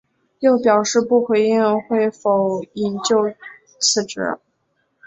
又表示不回应会否引咎辞职。